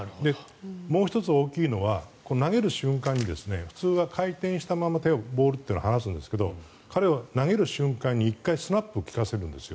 もう１つ大きいのは投げる瞬間に普通は回転したままボールというのは離すんですけど彼は投げる瞬間に１回スナップを利かせるんです。